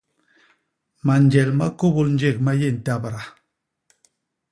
Manjel ma kôbôl njék ma yé ntabda.